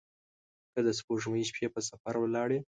که د سپوږمۍ شپې په سفر ولاړي